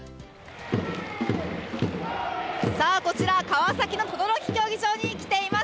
さあこちら、川崎の等々力競技場に来ています。